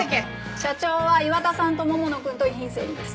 社長は岩田さんと桃野くんと遺品整理です。